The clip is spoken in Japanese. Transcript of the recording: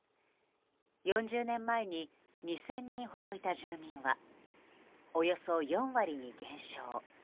４０年前に２０００人ほどいた住民はおよそ４割に減少。